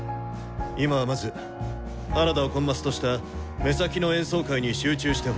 今はまず原田をコンマスとした目先の演奏会に集中してほしい。